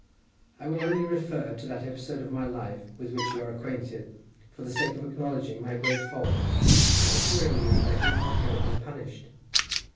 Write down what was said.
I will only refer to that episode of my life with which you are acquainted, for the sake of acknowledging my great fault and of assuring you that I did not go unpunished.